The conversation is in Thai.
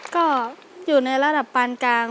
ก็อยู่ในระดับปานกลาง